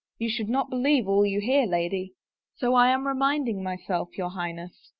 You should not believe all you hear, lady." " So I am reminding myself, your Highness."